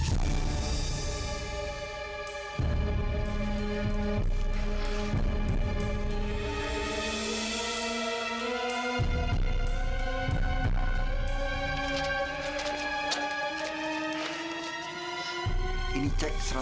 lebih dari yang ibu saya kasih ke kamu